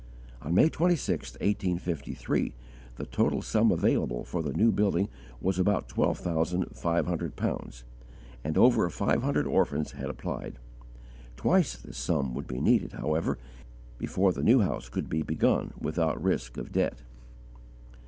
On May 26, 1853, the total sum available for the new building was about twelve thousand five hundred pounds, and over five hundred orphans had applied. Twice this sum would be needed, however, before the new house could be begun without risk of debt.